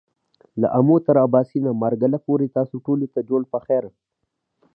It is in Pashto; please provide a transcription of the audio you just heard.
له آمو تر آباسينه ، مارګله پورې تاسو ټولو ته جوړ پخير !